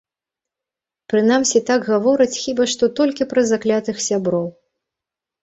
Прынамсі так гавораць хіба што толькі пра заклятых сяброў.